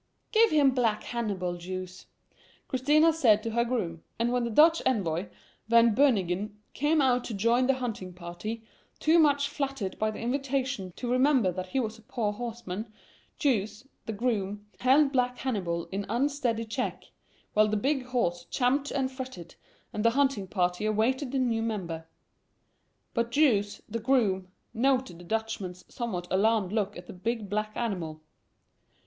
"Give him black Hannibal, Jous," Christina had said to her groom; and when the Dutch envoy, Van Beunigen, came out to join the hunting party, too much flattered by the invitation to remember that he was a poor horseman, Jous, the groom, held black Hannibal in unsteady check, while the big horse champed and fretted, and the hunting party awaited the new member. But Jous, the groom, noted the Dutchman's somewhat alarmed look at the big black animal.